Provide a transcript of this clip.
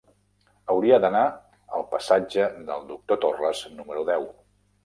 Hauria d'anar al passatge del Doctor Torres número deu.